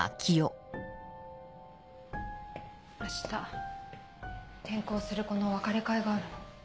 明日転校する子のお別れ会があるの。